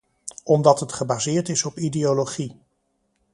Omdat het gebaseerd is op ideologie.